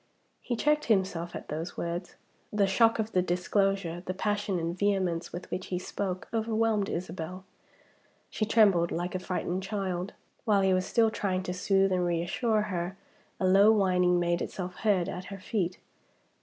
He checked himself at those words. The shock of the disclosure, the passion and vehemence with which he spoke, overwhelmed Isabel. She trembled like a frightened child. While he was still trying to soothe and reassure her, a low whining made itself heard at her feet.